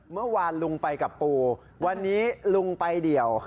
เมื่อวานลุงไปกับปูวันนี้ลุงไปเดี่ยว